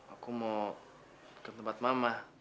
aku mau ke tempat mama